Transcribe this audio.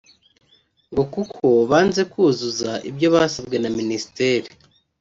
ngo kuko banze kuzuza ibyo basabwe na Ministeri